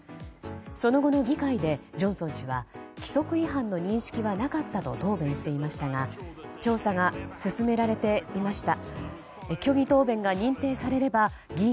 その後の議会で、ジョンソン氏は規則違反の認識はなかったと答弁していましたが調査が進められていました。